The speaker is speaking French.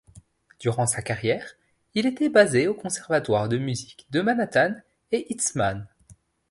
Durant sa carrière il était basé aux conservatoires de musique de Manhattan et Eastman.